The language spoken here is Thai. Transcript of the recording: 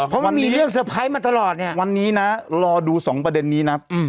เพราะว่ามีเรื่องเซอร์ไพรส์มาตลอดเนี่ยวันนี้นะรอดูสองประเด็นนี้นะ